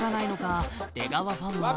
出川ファンは